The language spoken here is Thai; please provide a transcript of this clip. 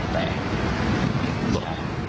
แต่อ่า